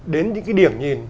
đến những cái điểm nhìn